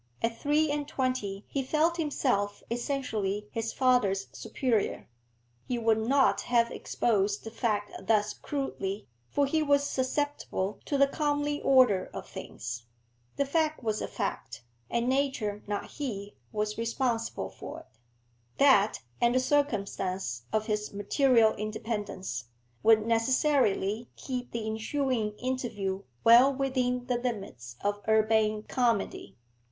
At three and twenty he felt himself essentially his father's superior. He would not have exposed the fact thus crudely, for he was susceptible to the comely order of things. The fact was a fact, and nature, not he, was responsible for it. That, and the circumstance of his material independence, would necessarily keep the ensuing interview well within the limits of urbane comedy.